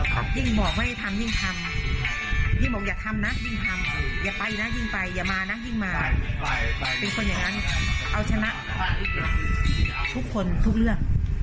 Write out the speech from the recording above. เพราะฉะนั้นเอาชนะทุกคนทุกเลือก